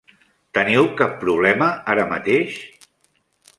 Teniu cap problema ara mateix?